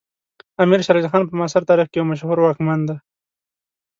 امیر شیر علی خان په معاصر تاریخ کې یو مشهور واکمن دی.